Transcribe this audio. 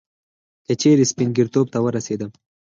که چیري سپين ژیرتوب ته ورسېدم